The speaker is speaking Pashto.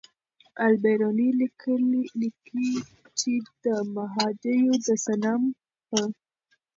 البېروني لیکي چې د مهادیو د صنم په